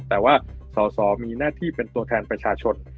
แต่ว่าสอสอมีหน้าที่เป็นตัวแทนประชาชน